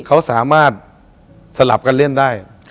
เขาสามารถสลับกันเล่นได้